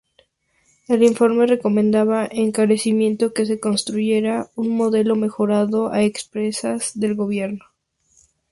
El informe recomendaba encarecidamente que se construyera un modelo mejorado a expensas del gobierno.